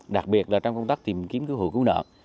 đặc biệt là trong công tác tìm kiếm cứu hữu cứu nợ